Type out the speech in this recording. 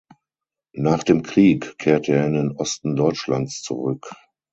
Nach dem Krieg kehrte er in den Osten Deutschlands zurück.